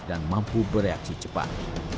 dan mampu bereaksi cepat